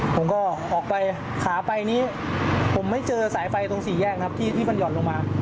ผมก็ออกไปขาไปนี้ผมไม่เจอสายไฟตรงสี่แยกครับที่มันห่อนลงมา